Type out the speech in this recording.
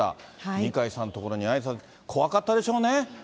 二階さんのところにあいさつ、怖かったでしょうね。